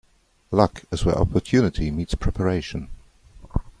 Luck is where opportunity meets preparation.